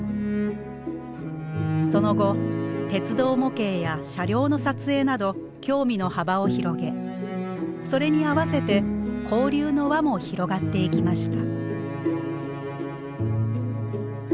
その後鉄道模型や車両の撮影など興味の幅を広げそれに合わせて交流の輪も広がっていきました。